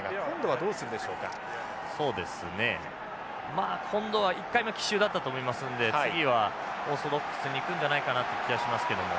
まあ今度は１回目は奇襲だったと思いますんで次はオーソドックスにいくんじゃないかなって気がしますけども。